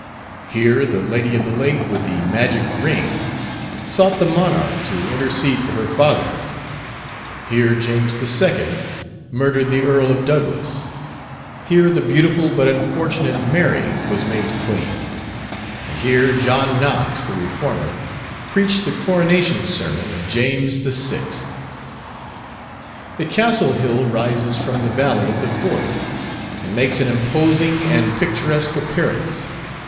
Here the "Lady of the Lake," with the magic ring, sought the monarch to intercede for her father; here James II. murdered the Earl of Douglas; here the beautiful but unfortunate Mary was made Queen; and here John Knox, the Reformer, preached the coronation sermon of James VI. The Castle Hill rises from the valley of the Forth, and makes an imposing and picturesque appearance.